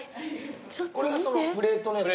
これがそのプレートのやつ？